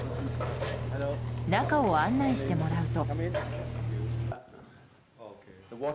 中を案内してもらうと。